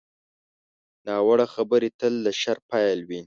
ناوړه خبرې تل د شر پیل وي